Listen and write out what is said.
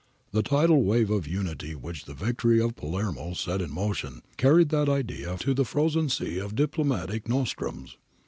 The tidal wave of unity which the victory of Palermo set in motion carried that idea to the frozen sea of diplomatic nostrums.'